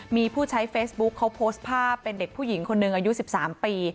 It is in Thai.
มีผู้ใช้เฟซบุ๊คเขาโพสต์ภาพเป็นเด็กผู้หญิงคนหนึ่งอายุ๑๓ปี